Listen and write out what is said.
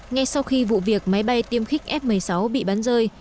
ngay sau khi vụ việc máy bay tiêm khích f một mươi sáu bị bắn rơi